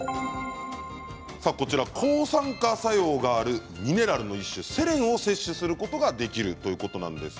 抗酸化作用があるミネラルの一種、セレンを摂取することができるということです。